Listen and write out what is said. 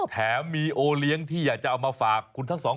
แถมมีโอเลี้ยงที่อยากจะเอามาฝากคุณทั้งสองคน